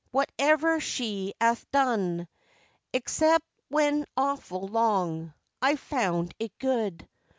Whatever she 'ath done Excep' when awful long I've found it good.